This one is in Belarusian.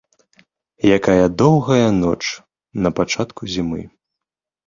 Якая доўгая ноч на пачатку зімы!